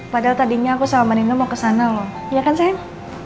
padahal tadinya aku sama nino mau kesana loh ya kan sayang